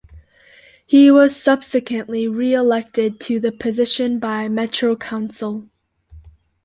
He was subsequently re-elected to the position by Metro Council.